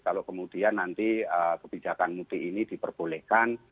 kalau kemudian nanti kebijakan mudik ini diperbolehkan